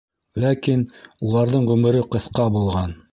Ләкин уларҙың ғүмере ҡыҫҡа булған.